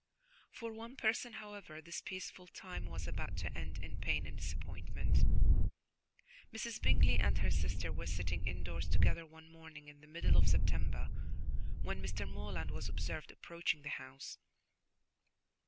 For one person, however, this peaceful time was about to end in pain and disappointment. Mrs. Bingley and her sister were sitting indoors together one morning in the middle of September, when Mr. Morland was observed approaching the house.